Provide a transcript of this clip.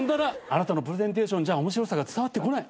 あなたのプレゼンテーションじゃ面白さが伝わってこない。